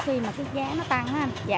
khi mà cái giá nó tăng